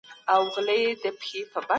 رښتینې شتمني په زړه کي ده نه په کڅوړه کي.